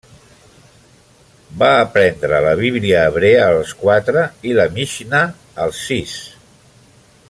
Va aprendre la bíblia hebrea als quatre i la Mixnà als sis.